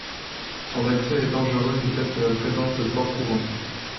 Son accès est dangereux du fait de la présence de forts courants.